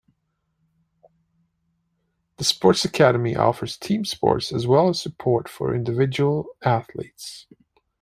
The Sports Academy offers team sports as well as support for individual athletes.